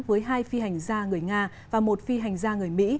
với hai phi hành ra người nga và một phi hành ra người mỹ